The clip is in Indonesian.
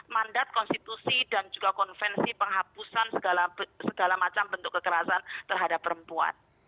mandat konstitusi dan juga konvensi penghapusan segala macam bentuk kekerasan terhadap perempuan